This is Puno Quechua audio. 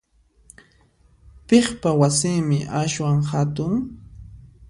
Piqpa wasinmi aswan hatun?